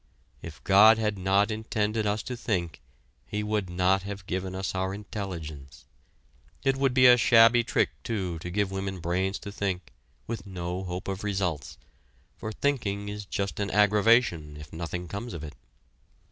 If God had not intended us to think, he would not have given us our intelligence. It would be a shabby trick, too, to give women brains to think, with no hope of results, for thinking is just an aggravation if nothing comes of it.